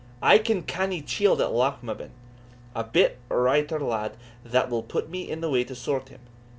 I ken a canny chield at Loughmaben, a bit writer lad, that will put me in the way to sort him.